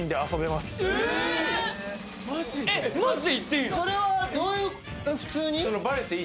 えっマジで行っていいの？